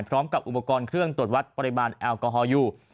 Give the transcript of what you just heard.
พร้อมกับอุปกรณ์เครื่องตรวจวัดปริมาณแอลกอฮอลอยู่